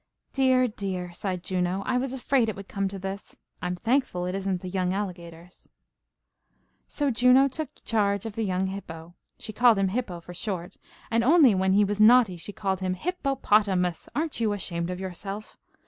"Dear, dear!" sighed Juno. "I was afraid it would come to this. I'm thankful it isn't the young alligators." So Juno took charge of the young hippo, she called him hippo for short, and only when he was naughty she called him: "Hip po pot a mus, aren't you ashamed of yourself?"